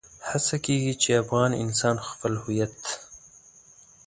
هڅه کېږي چې افغان انسان خپل هويت.